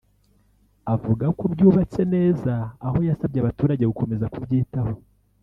avuga ko byubatse neza ; aho yasabye abaturage gukomeza kubyitaho